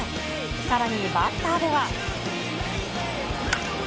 さらに、バッターでは。